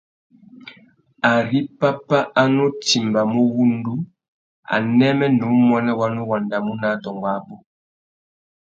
Ari pápá a nu timbamú wŭndú, anêmê nà umuênê wa nu wandamú nà adôngô abú.